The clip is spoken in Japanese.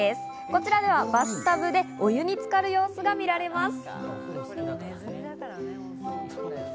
こちらではバスタブでお湯に浸かる様子が見られます。